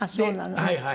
はいはい。